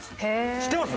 知ってます？